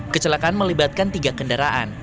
kecelakaan melibatkan tiga kendaraan